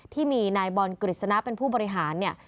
ที่มีนายบอลกฤษณะเป็นผู้บริหารเนี่ย